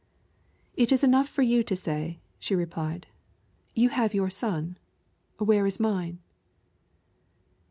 "It is enough for you to say," she replied. "You have your son. Where is mine?"